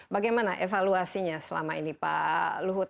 bagaimana evaluasinya selama ini pak luhut